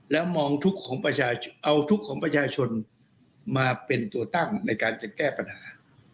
และเอาทุกข์ของประชาชนมาเป็นตัวตั้งในการจะแก้ปัญหา